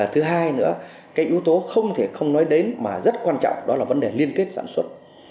thứ hai nữa cái yếu tố không thể không nói đến mà rất quan trọng đó là vấn đề liên kết sản xuất